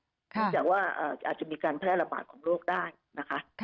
เนื่องจากว่าอาจจะมีการแพร่ระบาดของโรคได้นะคะ